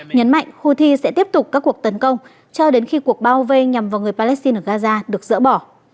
nhấn mạnh houthi sẽ tiếp tục các cuộc tấn công cho đến khi cuộc bao vây nhằm vào người palestine ở gaza được dỡ bỏ